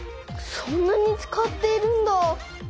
そんなに使っているんだ。